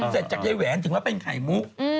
เสร็จจากไอ่แหวนถึงว่าเป็นไข่มุก